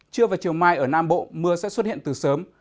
trưa và chiều mai ở nam bộ mưa sẽ xuất hiện từ sớm